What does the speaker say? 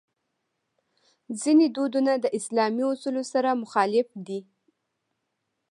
ځینې دودونه د اسلامي اصولو سره مخالف دي.